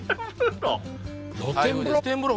露天風呂！？